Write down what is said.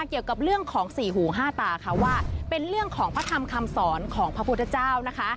เกี่ยวกับเรื่องของสี่หูห้าตาค่ะว่าเป็นเรื่องของพระธรรมคำสอนของพระพุทธเจ้านะคะ